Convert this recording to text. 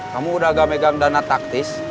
kamu udah agak megang dana taktis